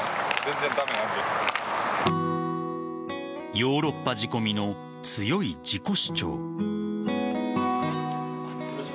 ヨーロッパ仕込みの強い自己主張。